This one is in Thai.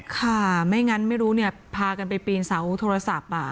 ค่ะไม่งั้นไม่รู้เนี่ยพากันไปปีนเสาโทรศัพท์